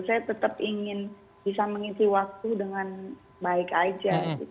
saya tetap ingin bisa mengisi waktu dengan baik aja